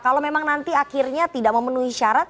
kalau memang nanti akhirnya tidak memenuhi syarat